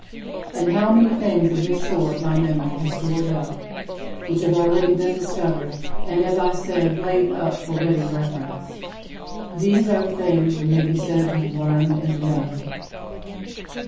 And how many things of this sort my memory has stored up, which have already been discovered and, as I said, laid up for ready reference. These are the things we may be said to have learned and to know.